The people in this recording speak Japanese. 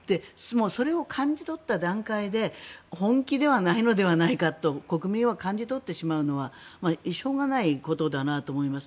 それを感じ取った段階で本気ではないのではないかと国民は感じ取ってしまうのはしょうがないことだなと思います。